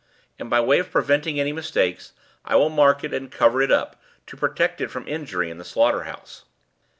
And, by way of preventing any mistakes, I will mark it and cover it up, to protect it from injury in the slaughter house."